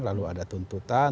lalu ada tuntutan